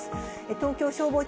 東京消防庁